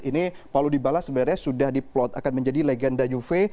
ini palu dibalas sebenarnya sudah diplot akan menjadi legenda juve